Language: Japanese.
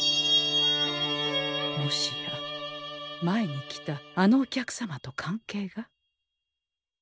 もしや前に来たあのお客様と関係が？